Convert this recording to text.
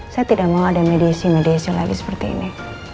saya tidak mau ada mediasi mediasi lagi seperti ini